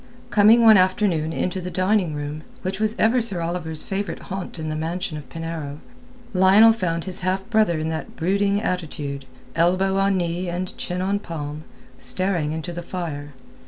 Coming one afternoon into the dining room, which was ever Sir Oliver's favourite haunt in the mansion of Penarrow, Lionel found his half brother in that brooding attitude, elbow on knee and chin on palm, staring into the fire.